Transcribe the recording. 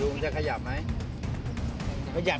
ดูทีมเราว่าทีมเราอยู่กัน